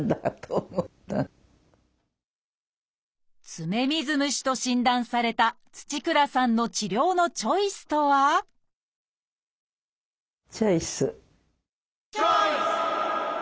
「爪水虫」と診断された土倉さんの治療のチョイスとはチョイス！